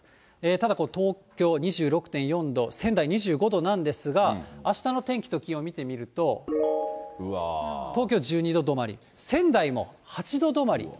ただ、東京２６．４度、仙台２５度なんですが、あしたの天気と気温見てみると、東京１２度止まり、仙台も８度止まり。